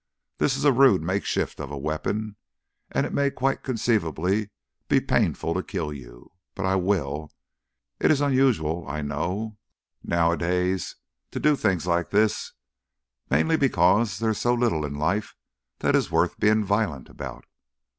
This is a rude makeshift of a weapon, and it may quite conceivably be painful to kill you. But I will. It is unusual, I know, nowadays to do things like this mainly because there is so little in life that is worth being violent about."